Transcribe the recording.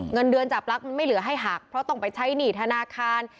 เงินเดือนจับลักษณ์มันไม่เหลือให้หักเพราะต้องไปใช้หนี้ธนาคาร